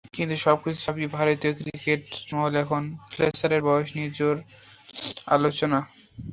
কিন্তু সবকিছু ছাপিয়ে ভারতীয় ক্রিকেট মহলে এখন ফ্লেচারের বয়স নিয়ে জোর আলোচনা।